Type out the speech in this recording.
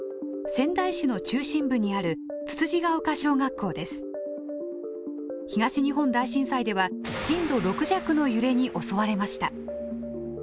仙台市の中心部にある東日本大震災では震度６弱の揺れに襲われました。